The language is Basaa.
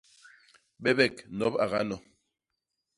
Bebek nop a gano.